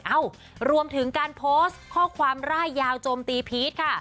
เอ้ารวมถึงการโพสต์ข้อความร่ายยาวโจมตีพีชค่ะ